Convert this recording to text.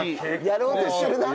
やろうとしてるな？